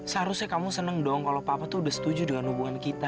seharusnya kamu seneng dong kalau papa tuh udah setuju dengan hubungan kita